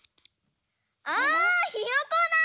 あひよこだ！